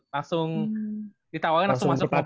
langsung ditawarin langsung masuk merpati aja